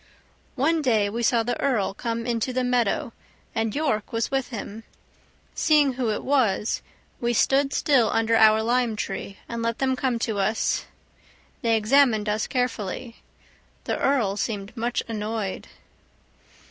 One day we saw the earl come into the meadow, and York was with him. Seeing who it was, we stood still under our lime tree, and let them come up to us. They examined us carefully. The earl seemed much annoyed.